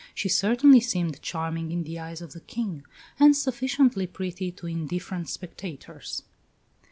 She certainly seemed charming in the eyes of the King, and sufficiently pretty to indifferent spectators."